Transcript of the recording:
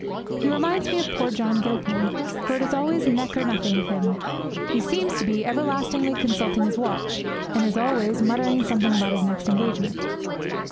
He reminds me of poor John Gilpin, for it is always neck or nothing with him. He seems to be everlastingly consulting his watch, and is always muttering something about his next engagement.